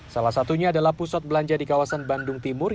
salah satunya adalah pusat belanja di kawasan bandung timur